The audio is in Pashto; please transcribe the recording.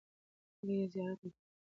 خلک یې زیارت ته تللې وو.